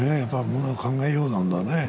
ものは考えようなんだね。